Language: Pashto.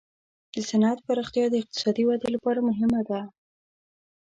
د صنعت پراختیا د اقتصادي ودې لپاره مهمه برخه ده.